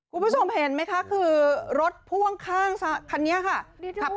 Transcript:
คุณผู้ชมเห็นไหมคะคือรถพ่วงข้างคันนี้ค่ะ